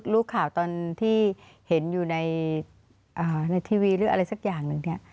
รู้ข่าวตอนที่เห็นอยู่ในทีวีหรืออะไรสักอย่างหนึ่งเนี่ย